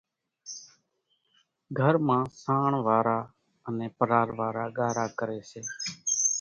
گھر مان سانڻ وارا انين ڀرار وارا ڳارا ڪري سي،